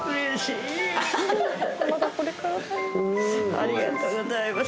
ありがとうございます